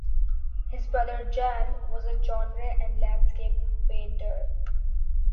His brother Jan was a genre and landscape painter.